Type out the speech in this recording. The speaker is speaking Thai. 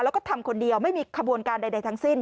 แล้วก็ทำคนเดียวไม่มีขบวนการใดทั้งสิ้น